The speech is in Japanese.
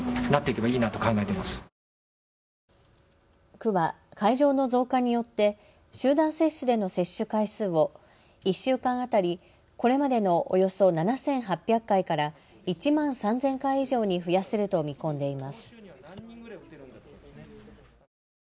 区は会場の増加によって集団接種での接種回数を１週間当たり、これまでのおよそ７８００回から１万３０００回以上に増やせると見込んでいます。